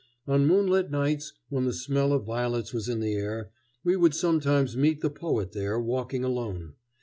On moonlight nights when the smell of violets was in the air, we would sometimes meet the poet there, walking alone.